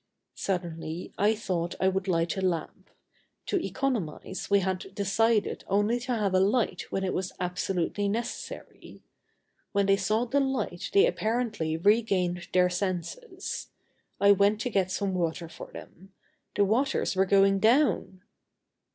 Suddenly, I thought I would light a lamp. To economize we had decided only to have a light when it was absolutely necessary. When they saw the light they apparently regained their senses. I went to get some water for them. The waters were going down!